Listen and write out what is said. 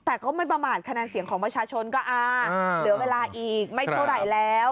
แต่เขาไม่ประมาทคะแนนเสียงของประชาชนก็อ่าเหลือเวลาอีกไม่เท่าไหร่แล้ว